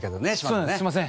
すいません。